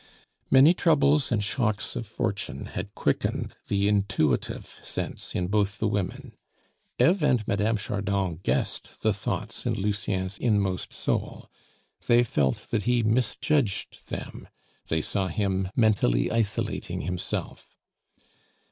Many troubles and shocks of fortune had quickened the intuitive sense in both the women. Eve and Mme. Chardon guessed the thoughts in Lucien's inmost soul; they felt that he misjudged them; they saw him mentally isolating himself.